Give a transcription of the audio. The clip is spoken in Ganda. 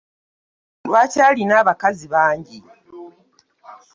Lwaki olina abakazi bangi?